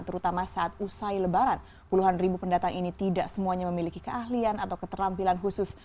terutama saat usai lebaran puluhan ribu pendatang ini tidak semuanya memiliki keahlian atau keterampilan khusus